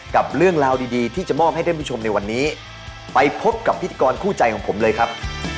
กับเรื่องราวดีดีที่จะมอบให้ท่านผู้ชมในวันนี้ไปพบกับพิธีกรคู่ใจของผมเลยครับ